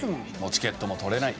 チケットも取れない。